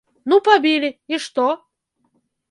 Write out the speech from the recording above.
Ну пабілі, і што?